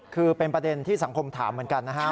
คือเป็นประเด็นที่สังคมถามเหมือนกันนะฮะ